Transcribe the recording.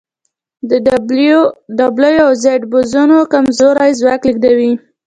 د ډبلیو او زیډ بوزون کمزوری ځواک لېږدوي.